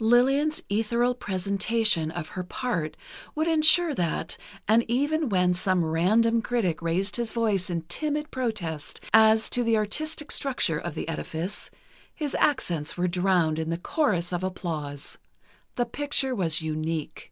Lillian's ethereal presentation of her part would insure that, and even when some random critic raised his voice in timid protest as to the artistic structure of the edifice, his accents were drowned in the chorus of applause: The picture was unique.